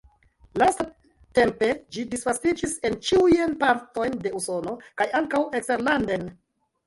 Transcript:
Lastatempe ĝi disvastiĝis en ĉiujn partojn de Usono kaj ankaŭ eksterlanden.